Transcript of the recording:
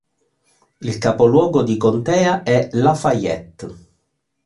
Il capoluogo di contea è Lafayette.